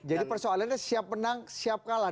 jadi persoalan ini siap menang siap kalah